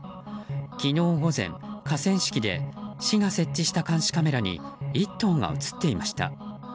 昨日午前、河川敷で市が設置した監視カメラに１頭が映っていました。